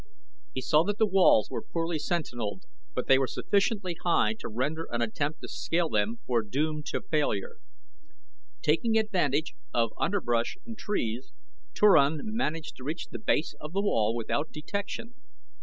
He saw that the walls were poorly sentineled, but they were sufficiently high to render an attempt to scale them foredoomed to failure. Taking advantage of underbrush and trees, Turan managed to reach the base of the wall without detection.